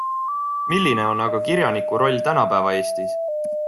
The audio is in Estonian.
Milline on aga kirjaniku roll tänapäeva Eestis?